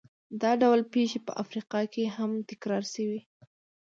دا ډول پېښې په افریقا کې هم تکرار شوې.